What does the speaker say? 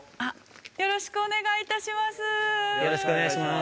よろしくお願いいたしますー。